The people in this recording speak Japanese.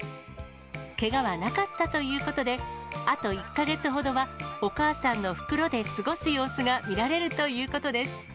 けがはなかったということで、あと１か月ほどはお母さんの袋で過ごす様子が見られるということです。